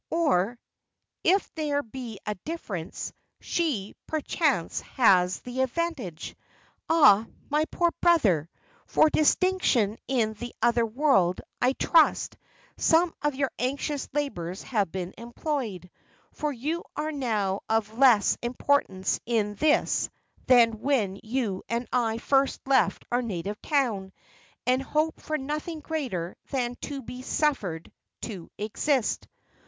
Or, if there be a difference, she, perchance, has the advantage. Ah, my poor brother! for distinction in the other world, I trust, some of your anxious labours have been employed; for you are now of less importance in this than when you and I first left our native town, and hoped for nothing greater than to be suffered to exist."